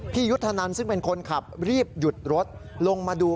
ยุทธนันซึ่งเป็นคนขับรีบหยุดรถลงมาดู